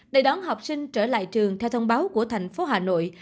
để đón học sinh trở lại trường theo thông báo của thành phố hà nội